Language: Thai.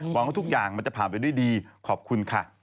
ว่าทุกอย่างมันจะผ่านไปด้วยดีขอบคุณค่ะ